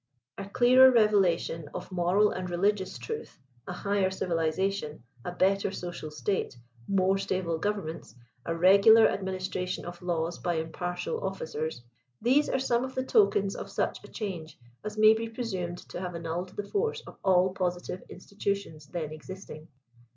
A clearer revelation of moral and religious truth, a higher civilization, a better social state, more stable governments, a regular administration of laws by impartial ofiicers, these are some of the tokens of such a change as may be presumed to have annulled the force of all positive institutions then existing.